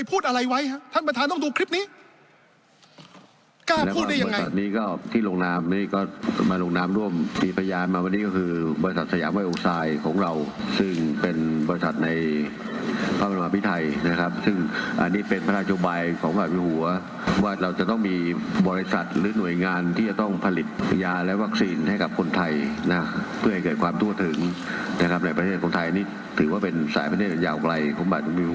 บริษัทนี้ก็ที่โรงนามนี่ก็มาโรงนามร่วมมีพยานมาวันนี้ก็คือบริษัทของเราซึ่งเป็นบริษัทในภาพธรรมภาพิทัยนะครับซึ่งอันนี้เป็นพระราชจบัยของบาทวิทย์หัวว่าเราจะต้องมีบริษัทหรือหน่วยงานที่จะต้องผลิตยาและวัคซีนให้กับคนไทยนะเพื่อให้เกิดความทั่วถึงนะครับในประเทศของ